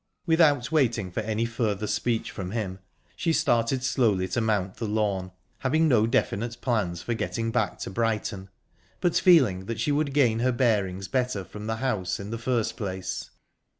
Without waiting for any further speech from him, she started slowly to mount the lawn, having no definite plans for getting back to Brighton, but feeling that she would gain her bearings better from the house in the first place.